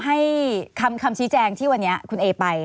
ให้คำชี้แจงที่วันนี้คุณเอไป